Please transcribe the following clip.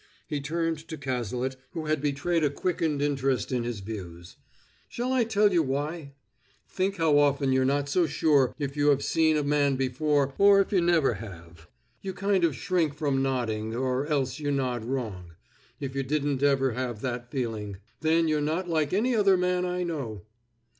He turned to Cazalet, who had betrayed a quickened interest in his views. "Shall I tell you why? Think how often you're not so sure if you have seen a man before or if you never have! You kind of shrink from nodding, or else you nod wrong; if you didn't ever have that feeling, then you're not like any other man I know."